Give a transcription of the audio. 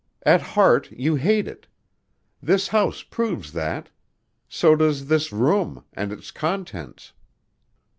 At heart you hate it.... This house proves that. So does this room and its contents."